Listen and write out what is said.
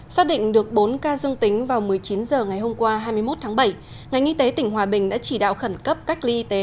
xác định được bốn ca dương tính vào một mươi chín h ngày hôm qua hai mươi một tháng bảy ngành y tế tỉnh hòa bình đã chỉ đạo khẩn cấp cách ly y tế